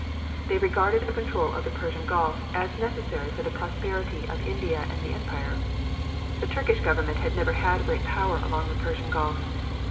They regarded a control of the Persian Gulf as necessary for the prosperity of India and the Empire. The Turkish Government had never had great power along the Persian Gulf.